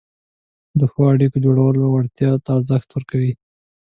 د ښو اړیکو جوړولو وړتیا ته ارزښت ورکوي،